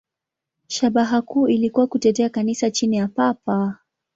Shabaha kuu ilikuwa kutetea Kanisa chini ya Papa.